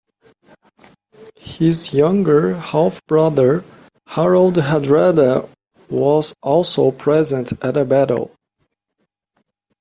His younger half-brother, Harald Hardrada, was also present at the battle.